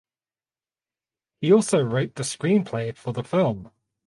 He also wrote the screenplay for the film.